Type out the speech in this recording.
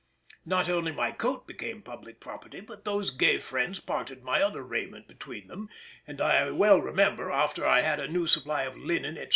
Not only my coat became public property, but those gay friends parted my other raiment between them, and I well remember, after I had a new supply of linen, etc.